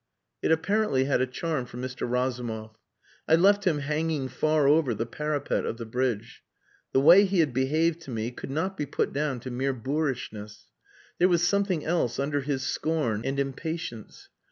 It apparently had a charm for Mr. Razumov. I left him hanging far over the parapet of the bridge. The way he had behaved to me could not be put down to mere boorishness. There was something else under his scorn and impatience.